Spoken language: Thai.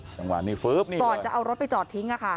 จังหวะนี้ฟื๊บนี่ก่อนจะเอารถไปจอดทิ้งอ่ะค่ะ